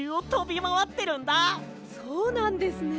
そうなんですね。